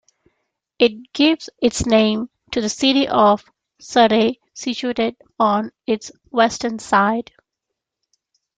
It gives its name to the city of Sirte situated on its western side.